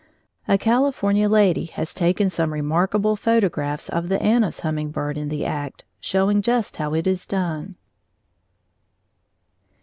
A California lady has taken some remarkable photographs of the Anna's hummingbird in the act, showing just how it is done.